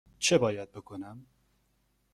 چه باید بکنم؟